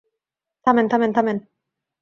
থামেন, থামেন, থামেন।